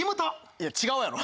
いや違うやろ。